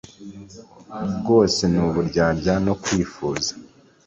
bwose n uburyarya no kwifuza